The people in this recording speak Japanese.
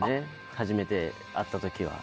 初めて会った時は。